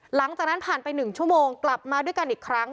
หลังจากนั้นผ่านไป๑ชั่วโมงกลับมาด้วยกันอีกครั้ง